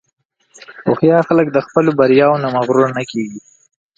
هوښیار خلک د خپلو بریاوو نه مغرور نه کېږي.